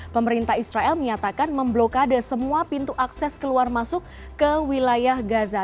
pemerintah israel menyatakan memblokade semua pintu akses keluar masuk ke wilayah gaza